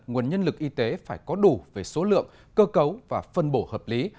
nguồn nhân lực y tế phải có đủ về số lượng cơ cấu và phân bổ hợp lý